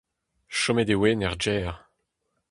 Chomet e oan er gêr.